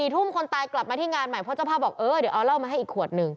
๔ทุ่มคนตายกลับมาที่งานใหม่เพราะเจ้าภาพบอกเออเดี๋ยวเอาเหล้ามาให้อีกขวดหนึ่ง